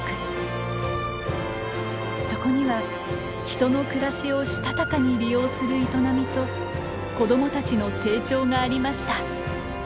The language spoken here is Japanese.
そこには人の暮らしをしたたかに利用する営みと子どもたちの成長がありました。